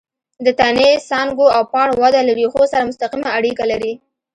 د تنې، څانګو او پاڼو وده له ریښو سره مستقیمه اړیکه لري.